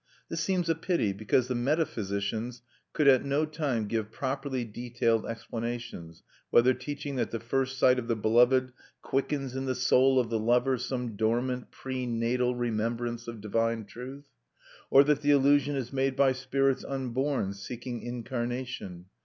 This seems a pity, because the metaphysicians could at no time give properly detailed explanations, whether teaching that the first sight of the beloved quickens in the soul of the lover some dormant prenatal remembrance of divine truth, or that the illusion is made by spirits unborn seeking incarnation.